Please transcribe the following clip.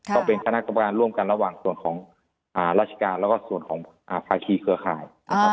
ต้องเป็นคณะกรรมการร่วมกันระหว่างส่วนของราชการแล้วก็ส่วนของภาคีเครือข่าย